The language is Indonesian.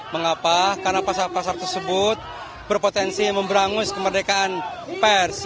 mengapa karena pasar pasar tersebut berpotensi memberangus kemerdekaan pers